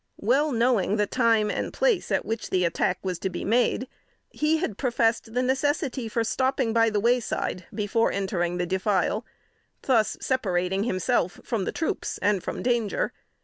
Well knowing the time and place at which the attack was to be made, he had professed necessity for stopping by the way side before entering the defile; thus separating himself from the troops and from danger.